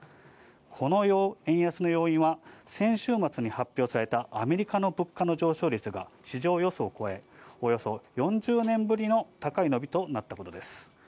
この円安の要因は、先週末に発表されたアメリカの物価の上昇率が市場予想を超え、およそ４０年ぶりの高い伸びとなったことです。